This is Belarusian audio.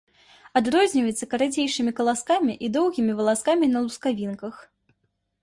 Адрозніваецца карацейшымі каласкамі і доўгімі валаскамі на лускавінках.